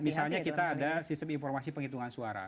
misalnya kita ada sistem informasi penghitungan suara